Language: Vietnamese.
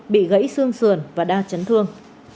bị gãy xương sườn và đa chấn thương